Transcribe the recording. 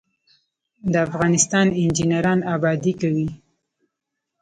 د افغانستان انجنیران ابادي کوي